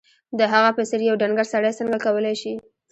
د هغه په څېر یو ډنګر سړی څنګه کولای شي